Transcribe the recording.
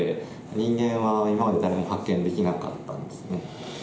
人間は今まで誰も発見できなかったんですね。